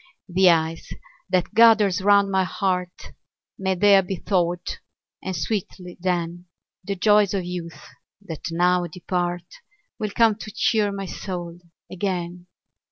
The ice that gathers round my heart May there be thawed; and sweetly, then, The joys of youth, that now depart, Will come to cheer my soul again.